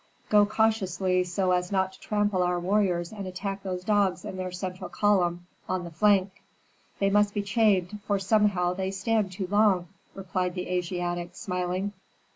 "Go cautiously so as not to trample our warriors and attack those dogs in their central column, on the flank." "They must be chained, for somehow they stand too long," replied the Asiatic, smiling.